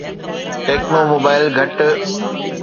techno mobile گهٽ